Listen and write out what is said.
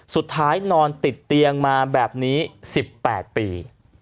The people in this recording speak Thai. สุดท้ายนอนติดเตียงมาแบบนี้๑๘ปี